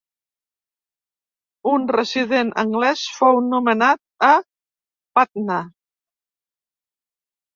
Un resident anglès fou nomenat a Patna.